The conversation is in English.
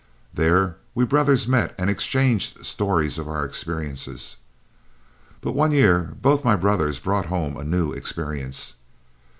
There we brothers met and exchanged stories of our experiences. But one year both my brothers brought home a new experience.